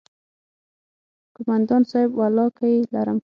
کومندان صايب ولله که يې لرم.